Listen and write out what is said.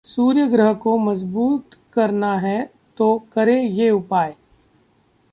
सूर्य ग्रह को मजबूत करना है तो करें ये उपाय